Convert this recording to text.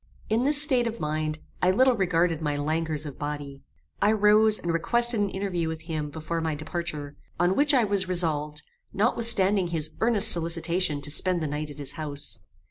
In this state of mind, I little regarded my languors of body. I rose and requested an interview with him before my departure, on which I was resolved, notwithstanding his earnest solicitation to spend the night at his house.